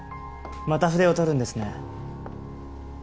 また筆を執るんですね。